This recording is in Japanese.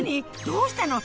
どうしたの？